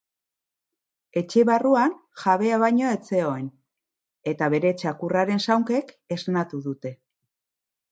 Etxe barruan jabea baino ez zegoen, eta bere txakurraren zaunkek esnatu dute.